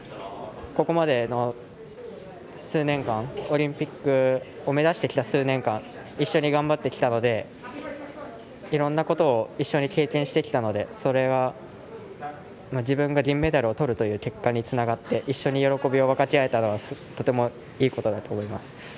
ここまで、オリンピックを目指してきた数年間一緒に頑張ってきたのでいろんなことを一緒に経験してきたのでそれが自分が銀メダルをとるという結果につながって一緒に喜びを分かち合えたのはとてもいいことだと思います。